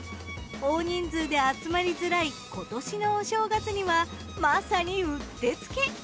大人数で集まりづらい今年のお正月にはまさにうってつけ！